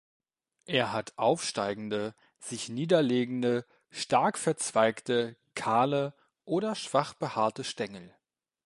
Er hat aufsteigende sich niederliegende, stark verzweigte, kahle oder schwach behaarte Stängel.